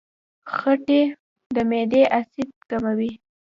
خټکی د معدې اسید کموي.